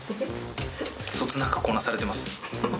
そつなくこなされてます。